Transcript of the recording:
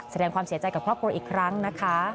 แสดงความเสียใจกับครอบครัวอีกครั้งนะคะ